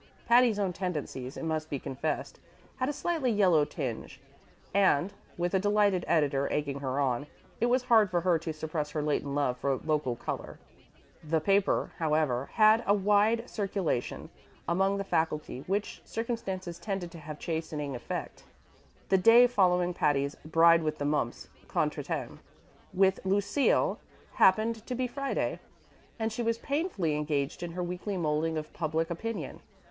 Patty's own tendencies, it must be confessed, had a slightly yellow tinge, and, with a delighted editor egging her on, it was hard for her to suppress her latent love for "local color." The paper, however, had a wide circulation among the faculty, which circumstance tended to have a chastening effect. The day following Patty's bride with the mumps contretemps with Lucille happened to be Friday, and she was painfully engaged in her weekly molding of public opinion.